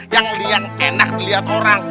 yang enak dilihat orang